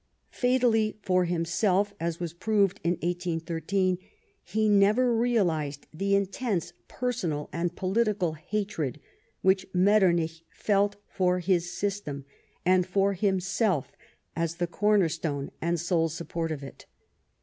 Fatally for himself, as was proved in 1813, he never realised the intense personal and political hatred which Metternich felt for his system, and for himself as the corner stone and sole support of it.